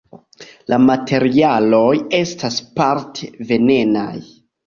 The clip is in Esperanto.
La materialoj estas parte venenaj.